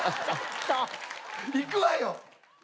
いくわよ！